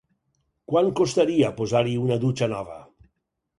Quant costaria posar-hi una dutxa nova?